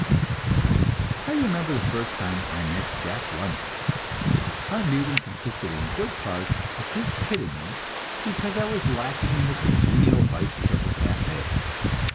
I remember the first time I met Jack London. Our meeting consisted in good part of his "kidding" me, because I was lacking in the congenial vices of the café.